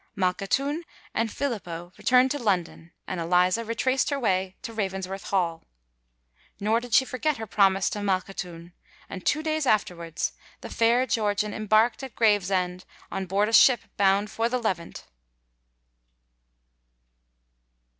Malkhatoun and Filippo returned to London; and Eliza retraced her way to Ravensworth Hall. Nor did she forget her promise to Malkhatoun; and two days afterwards the fair Georgian embarked at Gravesend on board a ship bound for the Levant.